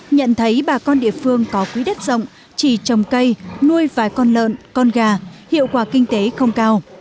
nhận thấy bà con địa phương có quỹ đất rộng chỉ trồng cây nuôi vài con lợn con gà hiệu quả kinh tế không cao